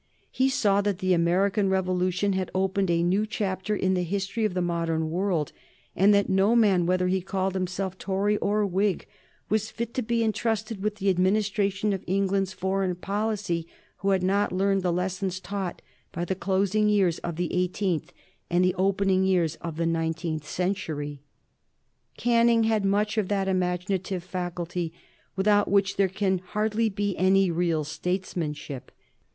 He saw that the American Revolution had opened a new chapter in the history of the modern world, and that no man, whether he called himself Tory or Whig, was fit to be intrusted with the administration of England's foreign policy who had not learned the lessons taught by the closing years of the eighteenth and the opening years of the nineteenth century. Canning had much of that imaginative faculty without which there can hardly be any real statesmanship.